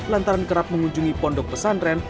lantaran kerap mengunjungi pondok pesantren